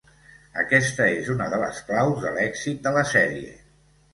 Aquesta és una de les claus de l'èxit de la sèrie.